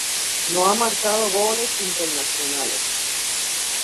No ha marcado goles internacionales.